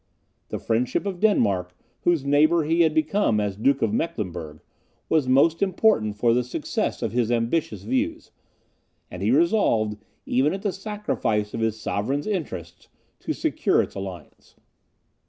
The friendship of Denmark, whose neighbour he had become as Duke of Mecklenburgh, was most important for the success of his ambitious views; and he resolved, even at the sacrifice of his sovereign's interests, to secure its alliance.